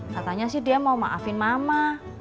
katanya sih dia mau maafin mama